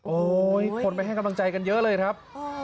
โอ้โหคนไปให้กำลังใจกันเยอะเลยครับ